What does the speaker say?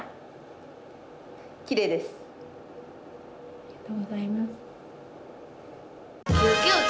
ありがとうございます。